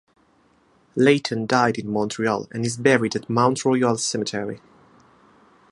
Layton died in Montreal and is buried at Mount Royal Cemetery.